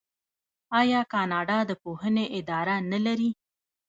آیا کاناډا د پوهنې اداره نلري؟